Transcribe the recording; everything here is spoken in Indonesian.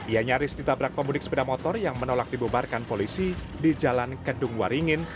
ia nyaris ditabrak pemudik sepeda motor yang menolak dibubarkan polisi di jalan kedung waringin